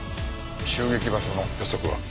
襲撃場所の予測は？